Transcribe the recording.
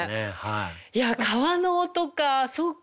いや「川のおと」かそっか！